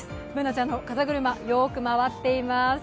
Ｂｏｏｎａちゃんの風車、よく回っています。